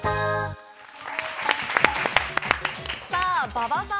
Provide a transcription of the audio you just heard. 馬場さん